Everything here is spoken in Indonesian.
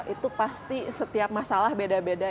itu pasti setiap masalah beda beda